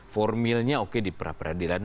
formilnya oke di pra peradilan